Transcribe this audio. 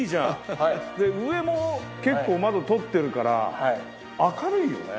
で上も結構窓をとってるから明るいよね。